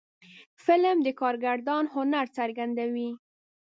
فلم د کارگردان هنر څرګندوي